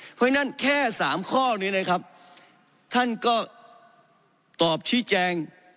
เพราะฉะนั้นแค่๓ข้อนี้นะครับท่านก็ตอบชี้แจง